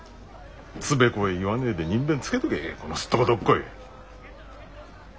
つべこべ言わねえで人偏つけとけこのすっとこどっこい。